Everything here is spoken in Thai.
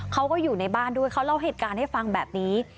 เขาก็อยู่ในบ้านด้วยเขาเล่าเหตุการณ์ให้ฟังแบบนี้